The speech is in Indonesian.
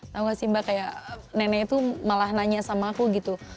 tahu gak sih mbak kayak nenek itu malah nanya sama aku gitu